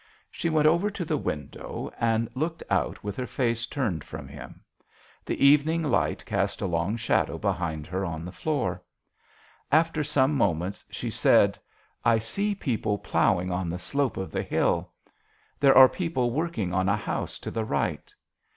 She went over to the window and looked out with her face turned from him. The evening light cast a long shadow behind her on the floor. After some moments, she said, " I see JOHN SHERMAN. 35 people ploughing on the slope of the hill. There are people working on a house to the right.